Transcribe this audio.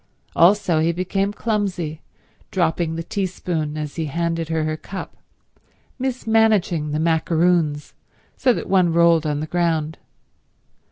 Also he became clumsy, dropping the teaspoon as he handed her her cup, mismanaging the macaroons, so that one rolled on the ground.